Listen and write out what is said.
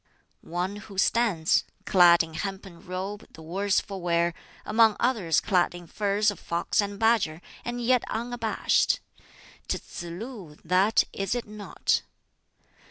"One who stands clad in hempen robe, the worse for wear among others clad in furs of fox and badger, and yet unabashed 'tis Tsz lu, that, is it not?"